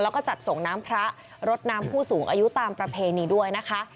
แล้วก็จัดส่งน้ำพระรดน้ำผู้สูงอายุตามประเพณีด้วยนะคะ